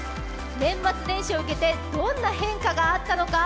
年末年始を受けてどんな変化があったのか？